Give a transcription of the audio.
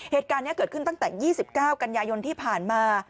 เหตุการณ์นี้เกิดขึ้นตั้งแต่๒๙กันยายนที่ผ่านมา